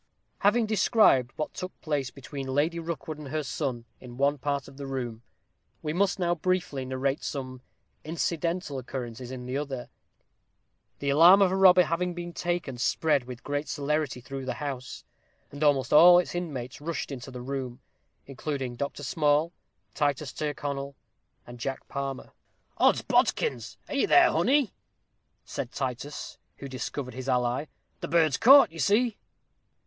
Having described what took place between Lady Rookwood and her son in one part of the room, we must now briefly narrate some incidental occurrences in the other. The alarm of a robber having been taken spread with great celerity through the house, and almost all its inmates rushed into the room, including Dr. Small, Titus Tyrconnel, and Jack Palmer. "Odsbodikins! are you there, honey?" said Titus, who discovered his ally; "the bird's caught, you see."